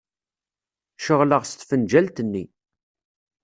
Ceɣleɣ s tfenǧalt-nni.